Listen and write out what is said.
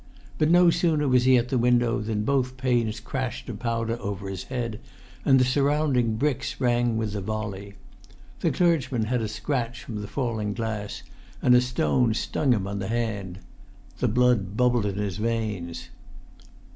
But no sooner was he at the window than both panes crashed to powder over his head, and the surrounding bricks rang with the volley. The clergyman had a scratch from the falling glass, and a stone stung him on the hand. The blood bubbled in his veins.